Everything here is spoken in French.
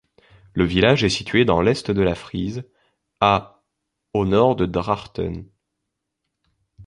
Le village est situé dans l'est de la Frise, à au nord de Drachten.